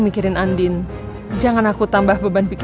saya tidak akan kemana mana pak